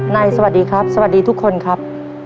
นายก็สวัสดีครับ